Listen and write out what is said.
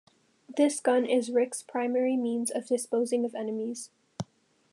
This gun is Rick's primary means of disposing of enemies.